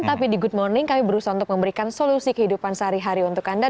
tapi di good morning kami berusaha untuk memberikan solusi kehidupan sehari hari untuk anda